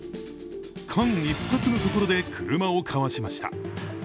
間一髪のところで車をかわしました。